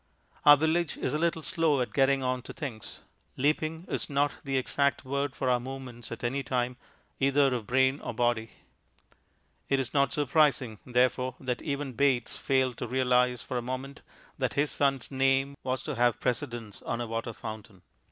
Our village is a little slow at getting on to things; "leaping" is not the exact word for our movements at any time, either of brain or body. It is not surprising, therefore, that even Bates failed to realize for a moment that his son's name was to have precedence on a water fountain.